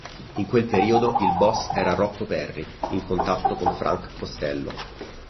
In quel periodo il boss era Rocco Perri in contatto con Frank Costello.